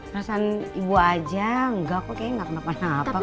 rasa ibu aja enggak kok kayaknya enggak kenapa kenapa kok